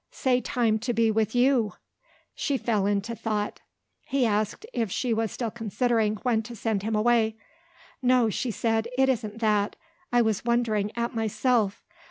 "Say time to be with You!" She fell into thought. He asked if she was still considering when to send him away. "No," she said; "it isn't that. I was wondering at myself.